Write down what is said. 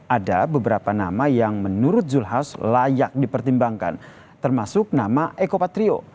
ada beberapa nama yang menurut zulkifli hasan layak dipertimbangkan termasuk nama ekopatrio